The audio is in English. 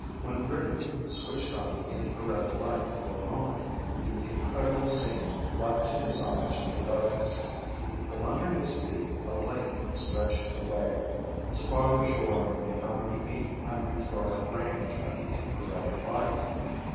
When Rick switched on the infrared light for a moment, the incredible scene leaped to his eyes from the darkness. From under his feet a lake stretched away, its farther shore beyond the eight hundred yard range of the infrared light.